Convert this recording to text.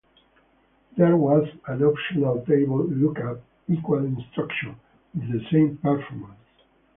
There was an optional Table lookup Equal instruction, with the same performance.